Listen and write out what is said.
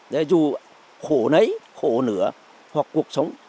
để dù khổ nấy khổ nửa hoặc cuộc sống